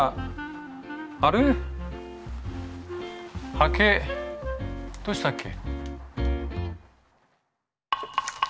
刷毛どうしたっけ？